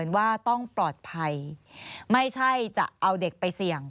ว่าต้องปลอดภัยไม่ใช่จะเอาเด็กไปเสี่ยง